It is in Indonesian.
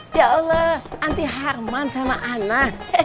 ya allah anti harman sama anak